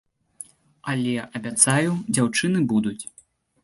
Але, абяцаю, дзяўчыны будуць.